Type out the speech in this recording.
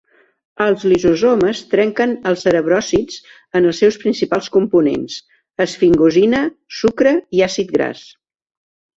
Els lisosomes trenquen els cerebròsids en els seus principals components: esfingosina, sucre i àcid gras.